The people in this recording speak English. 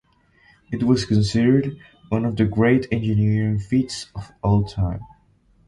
It was considered one of the great engineering feats of all time.